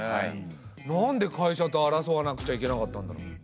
なんで会社と争わなくちゃいけなかったんだろう？